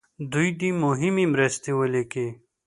دوی دې مهمې مرستې ولیکي.